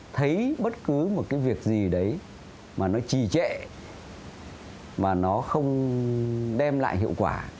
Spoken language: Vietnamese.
thấy bất cứ một cái việc gì đấy mà nó trì trệ mà nó không đem lại hiệu quả